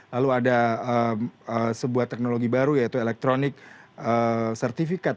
lalu ada sebuah teknologi baru yaitu elektronik sertifikat